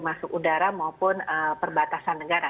masuk udara maupun perbatasan negara